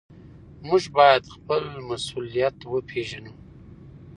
موږ بايد خپل مسؤليت وپېژنو.